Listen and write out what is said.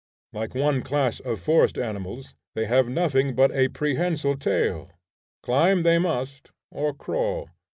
Like one class of forest animals, they have nothing but a prehensile tail; climb they must, or crawl.